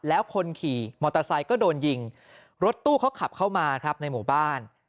แล้วคนขี่มอเตอร์ไซค์ก็โดนยิงรถตู้เขาขับเข้ามาครับในหมู่บ้าน